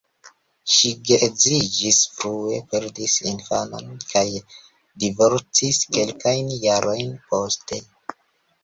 Ŝi geedziĝis frue, perdis infanon kaj divorcis kelkajn jarojn poste.